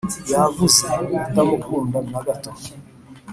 yavuze. atamukunda na gato